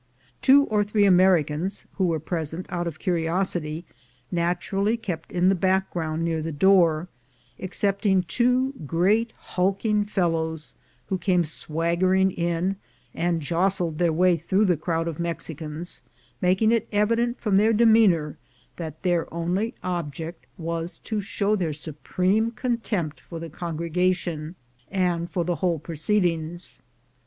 Two or three Americans, who were present out of curiosity, natu rally kept in the background near the door, except ing two great hulking fellows who came swaggering in, and jostled their way through the crowd of Mexi cans, making it evident, from their demeanor, that IN LIGHTER MOOD 299 their only object was to show their supreme contempt for the congregation, and for the whole proceedings.